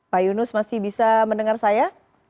pak yunus masih bisa mendengar saya